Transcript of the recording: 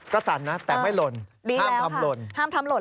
ก็สั่นนะแต่ไม่หล่นห้ามทำหล่นห้ามทำหล่น